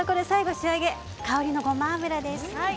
最後、仕上げ香りのごま油です。